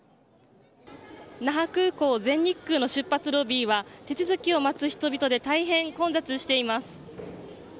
那覇空港全日空の出発ロビーは手続きを待つ人々で大変混雑しています。